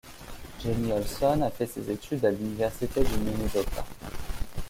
Jenni Olson a fait ses études à l'Université du Minnesota.